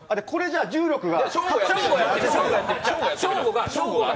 これじゃ重力が。